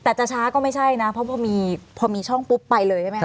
แต่จะช้าก็ไม่ใช่นะเพราะพอมีช่องปุ๊บไปเลยใช่ไหมคะ